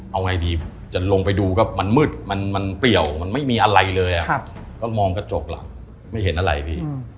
เอาไงดีจะลงไปดูก็มันมืดมันเปรียวมันไม่มีอะไรเลยก็มองกระจกหลังไม่เห็นอะไรพี่